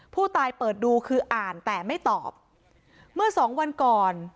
เปิดดูคืออ่านแต่ไม่ตอบเมื่อสองวันก่อน